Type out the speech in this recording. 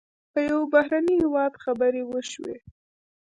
په یو بهرني هېواد خبرې وشوې.